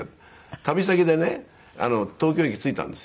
旅先でね東京駅着いたんですよ